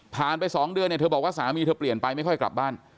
ไป๒เดือนเนี่ยเธอบอกว่าสามีเธอเปลี่ยนไปไม่ค่อยกลับบ้าน